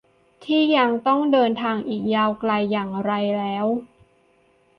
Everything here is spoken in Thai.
ที่ยังต้องเดินทางอีกยาวไกล อย่างไรแล้ว